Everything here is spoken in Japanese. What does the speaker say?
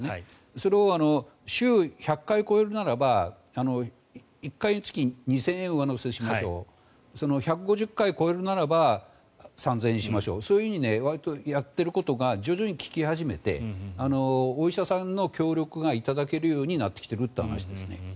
それを週１００回超えるならば１回につき２０００円上乗せしましょう１５０回超えるならば３０００円にしましょうそういうふうにわりとやっていることが徐々に効き始めてお医者さんの協力がいただけるようになってきているという話ですね。